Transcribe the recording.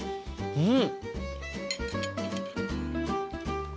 うん？